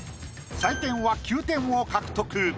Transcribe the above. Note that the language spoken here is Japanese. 採点は９点を獲得。